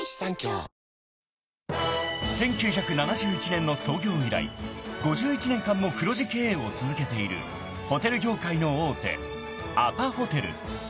［１９７１年の創業以来５１年間も黒字経営を続けているホテル業界の大手アパホテル］